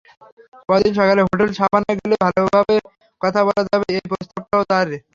পরদিন সকালে হোটেল সাভানায় গেলে ভালোভাবে কথা বলা যাবে—এই প্রস্তাবটাও তাঁরই।